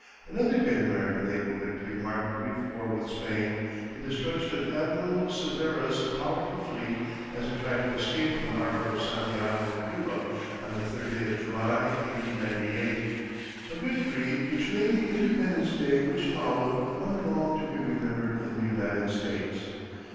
Another great American naval victory marked the brief war with Spain the destruction of Admiral Cervera's powerful fleet as it tried to escape from the harbor of Santiago, Cuba, on the third day of July, 1898 a victory which made the Independence Day which followed one long to be remembered in the United States.